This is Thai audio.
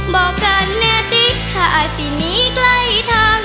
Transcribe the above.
บอกกันแน่ติถ้าอาศินีไกลทาง